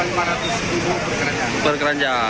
mencapai lima ratus ribu per keranjang